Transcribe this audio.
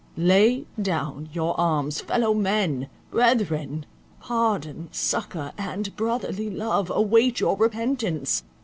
Lay down your arms, fellow men! brethren! Pardon, succour, and brotherly love await your repentance.